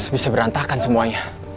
bisa berantakan semuanya